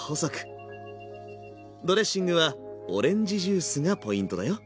ドレッシングはオレンジジュースがポイントだよ。